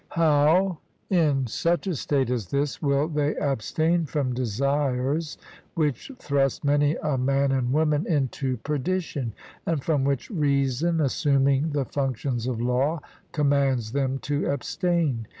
How, in such a state as this, will they abstain from desires which thrust many a man and woman into perdition; and from which reason, assuming the functions of law, commands them to abstain?